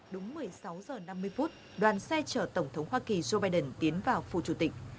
đúng một mươi sáu h năm mươi đoàn xe chở tổng thống hoa kỳ joe biden tiến vào phủ chủ tịch